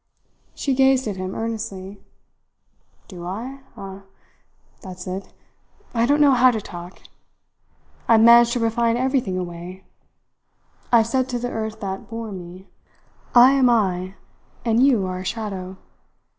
She gazed at him earnestly. "Do I? Ah! That's it. I don't know how to talk. I have managed to refine everything away. I've said to the Earth that bore me: 'I am I and you are a shadow.'